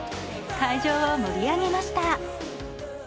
会場を盛り上げました。